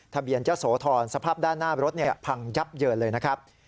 ทะเบียนเจ้าโสธรสภาพด้านหน้ารถพังยับเยินเลยนะครับ